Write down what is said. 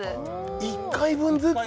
１回分ずつ？